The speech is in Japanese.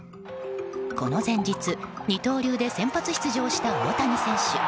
この前日、二刀流で先発出場した大谷選手。